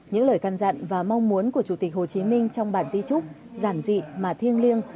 những lời căn dặn và mong muốn của chủ tịch hồ chí minh trong bản di trúc giản dị mà thiêng liêng